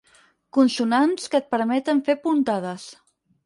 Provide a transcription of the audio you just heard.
Consonants que et permeten fer puntades.